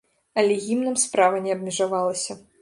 Але гімнам справа не абмежавалася.